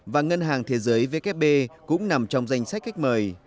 và ngân hàng thế giới vkp cũng nằm trong danh sách khách mời